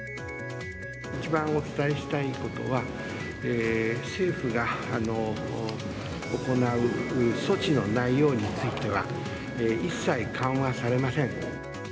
一番お伝えしたいことは、政府が行う措置の内容については、一切緩和されません。